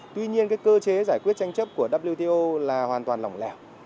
tuy nhiên cơ chế giải quyết tranh chấp của wto là hoàn toàn lỏng lẻo